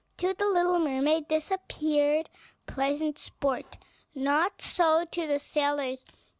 To the little mermaid this appeared pleasant sport; not so to the sailors.